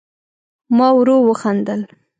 ما ورو وخندل